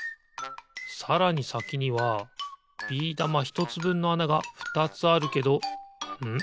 さらにさきにはビー玉ひとつぶんのあながふたつあるけどん？